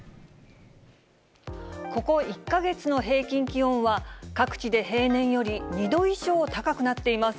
ここ１か月の平均気温は、各地で平年より２度以上高くなっています。